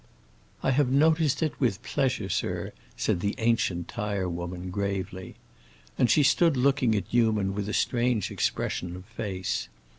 "I have noticed it with pleasure, sir," said the ancient tirewoman, gravely. And she stood looking at Newman with a strange expression of face.